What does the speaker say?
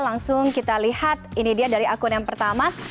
langsung kita lihat ini dia dari akun yang pertama